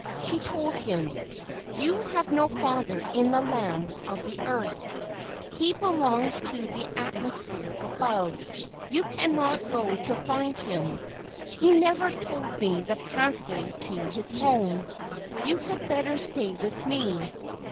She told him: "You have no father in the lands of the earth. He belongs to the atmosphere above. You cannot go to find him. He never told me the path way to his home. You had better stay with me."